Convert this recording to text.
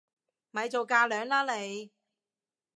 咪做架樑啦你！